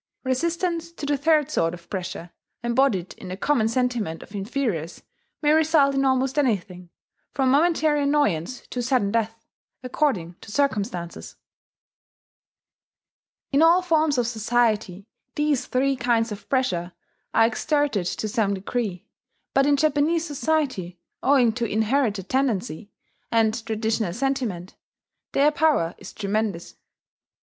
Resistance to the third sort of pressure, embodied in the common sentiment of inferiors, may result in almost anything, from momentary annoyance to sudden death, according to circumstances. In all forms of society these three kinds of pressure are exerted to some degree; but in Japanese society, owing to inherited tendency, and traditional sentiment, their power is tremendous.